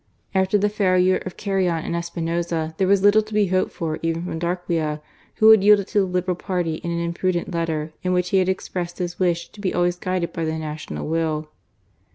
After the failure of Carrion and Espinoza, there was little to be hoped for, even from Darquea, who had yielded to the Liberal party in an imprudent letter in which he had expressed his wish to be always guided by the national will.